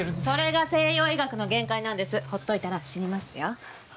それが西洋医学の限界なんですほっといたら死にますよ。